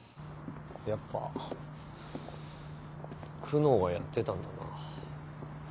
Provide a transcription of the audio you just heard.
やっぱ久能がやってたんだな。